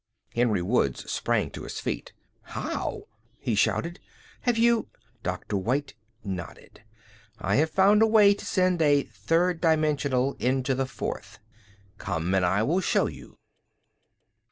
Henry Woods sprang to his feet. "How?" he shouted. "Have you...?" Dr. White nodded. "I have found a way to send the third dimensional into the fourth. Come and I will show you."